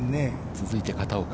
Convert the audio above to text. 続いて片岡。